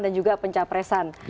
dan juga pencapresan